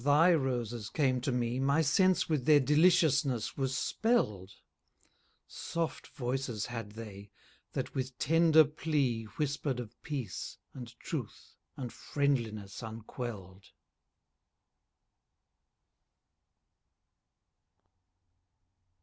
thy roses came to me My sense with their deliciousness was spell'd: Soft voices had they, that with tender plea Whisper'd of peace, and truth, and friendliness unquell'd.